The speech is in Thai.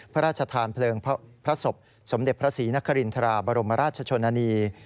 พระราชทานเพลิงพระศพสมเด็จพระศรีนครินทราบรมราชชนนานี